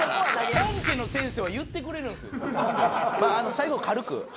最後は軽く。